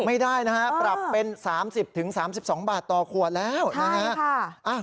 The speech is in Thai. ไม่ได้นะฮะปรับเป็น๓๐๓๒บาทต่อขวดแล้วนะฮะ